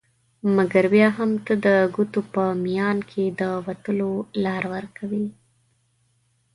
مګر بیا هم ته د ګوتو په میان کي د وتلو لار ورکوي